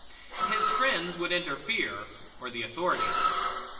His friends would interfere or the authorities would.